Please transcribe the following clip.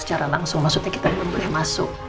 secara langsung maksudnya kita belum boleh masuk